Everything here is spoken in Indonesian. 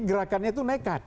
gerakannya itu nekat